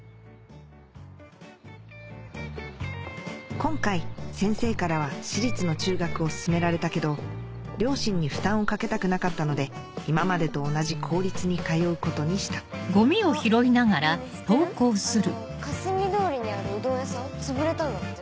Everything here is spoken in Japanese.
今回先生からは私立の中学を勧められたけど両親に負担をかけたくなかったので今までと同じ公立に通うことにしたあっ知ってる？